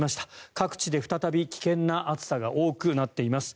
各地で再び危険な暑さが多くなっています。